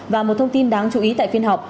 và một thông tin đáng chú ý tại phiên họp